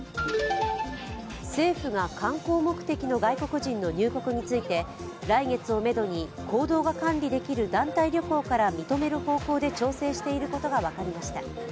政府が観光目的の外国人の入国について来月をめどに行動が管理できる団体旅行から認める方向で調整していることが分かりました。